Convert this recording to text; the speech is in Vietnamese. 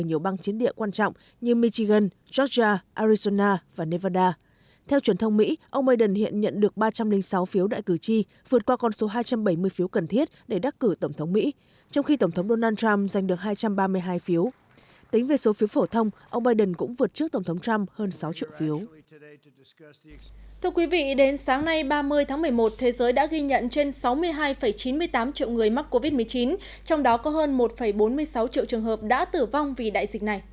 thưa quý vị đến sáng nay ba mươi tháng một mươi một thế giới đã ghi nhận trên sáu mươi hai chín mươi tám triệu người mắc covid một mươi chín trong đó có hơn một bốn mươi sáu triệu trường hợp đã tử vong vì đại dịch này